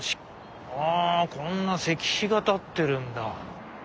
あこんな石碑が建ってるんだ。